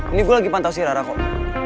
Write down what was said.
ini gue lagi pantau si rara kok